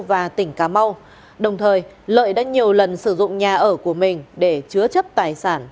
và tỉnh cà mau đồng thời lợi đã nhiều lần sử dụng nhà ở của mình để chứa chấp tài sản